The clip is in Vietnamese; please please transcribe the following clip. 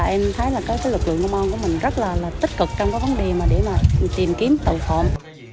em thấy lực lượng công an của mình rất là tích cực trong các vấn đề để tìm kiếm tàu phộn